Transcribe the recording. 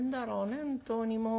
本当にもう。